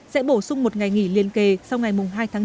sẽ bổ sung một ngày nghỉ liên kề sau ngày hai tháng bốn